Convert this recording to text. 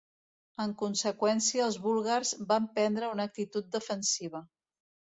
En conseqüència els búlgars van prendre una actitud defensiva.